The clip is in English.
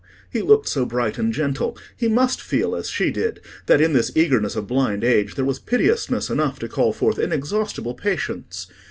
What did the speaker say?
He looked so bright and gentle: he must feel, as she did, that in this eagerness of blind age there was piteousness enough to call forth inexhaustible patience.